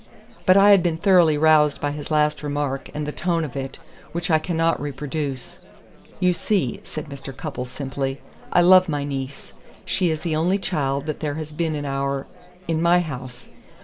But I had been thoroughly roused by his last remark, and the tone of it, which I cannot reproduce. You see," said Mr. Cupples simply, "I love my niece. She is the only child that there has been in our in my house.